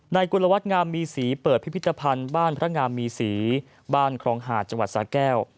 กุลวัฒนงามมีศรีเปิดพิพิธภัณฑ์บ้านพระงามมีศรีบ้านครองหาดจังหวัดสาแก้ว